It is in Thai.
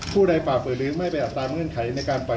ปฏิตามภาพบังชั่วมังตอนของเหตุการณ์ที่เกิดขึ้นในวันนี้พร้อมกันครับ